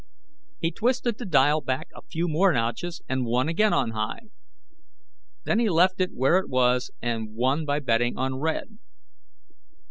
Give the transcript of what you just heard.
He twisted the dial back a few more notches and won again on High. Then he left it where it was and won by betting on Red.